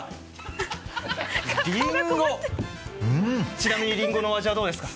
ちなみにリンゴのお味はどうですか？